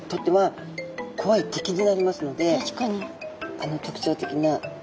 あの特徴的な。